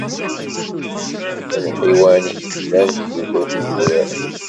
Lḥiwan i yellan di luluf n yidurar.